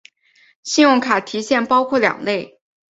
信用卡提现包括两类。